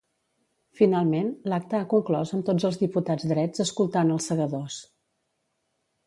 Finalment, l'acte ha conclòs amb tots els diputats drets escoltant "Els Segadors".